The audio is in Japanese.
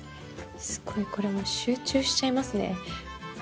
すごいこれもう集中しちゃいますね。